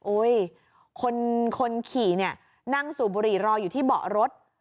คนขี่เนี่ยนั่งสูบบุหรี่รออยู่ที่เบาะรถ